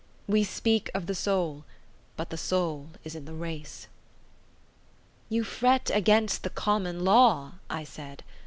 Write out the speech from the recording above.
We speak of the soul, but the soul is in the race." "You fret against the common law," I said.